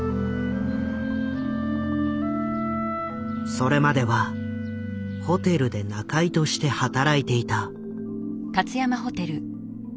それまではホテルで仲居として働いていた。